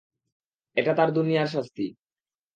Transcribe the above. এটা তার দুনিয়ার শাস্তি।